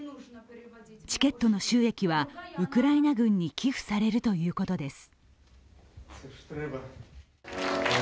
チケットの収益はウクライナ軍に寄付されるということです。